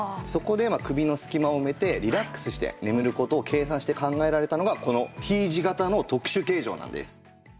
そこで首の隙間を埋めてリラックスして眠る事を計算して考えられたのがこのＴ字型の特殊形状なんです。